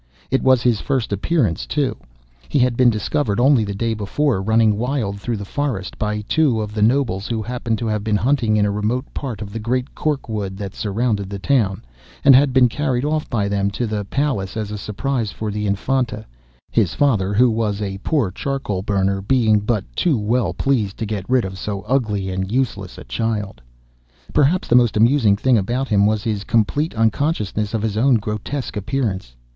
It was his first appearance, too. He had been discovered only the day before, running wild through the forest, by two of the nobles who happened to have been hunting in a remote part of the great cork wood that surrounded the town, and had been carried off by them to the Palace as a surprise for the Infanta; his father, who was a poor charcoal burner, being but too well pleased to get rid of so ugly and useless a child. Perhaps the most amusing thing about him was his complete unconsciousness of his own grotesque appearance.